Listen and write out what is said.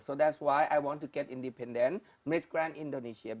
jadi saya ingin mendapatkan pemenangnya miss grand indonesia